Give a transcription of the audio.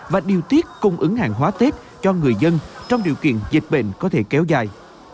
và điều tiết cung ứng hàng hóa tết cho người dân trong điều kiện dịch bệnh có thể kéo dài